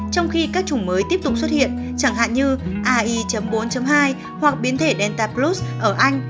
trong khi các chủng mới tiếp tục xuất hiện chẳng hạn như ai bốn hai hoặc biến thể delta bluez ở anh